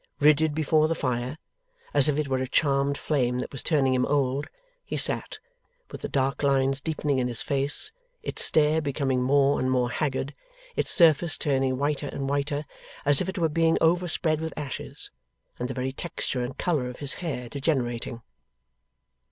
Rigid before the fire, as if it were a charmed flame that was turning him old, he sat, with the dark lines deepening in his face, its stare becoming more and more haggard, its surface turning whiter and whiter as if it were being overspread with ashes, and the very texture and colour of his hair degenerating.